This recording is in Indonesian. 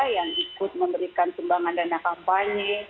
yang ikut memberikan sumbangan dana kampanye